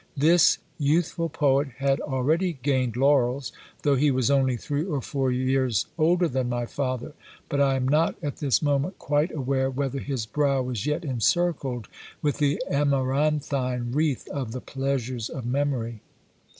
This youthful poet had already gained laurels, though he was only three or four years older than my father, but I am not at this moment quite aware whether his brow was yet encircled with the amaranthine wreath of the "Pleasures of Memory."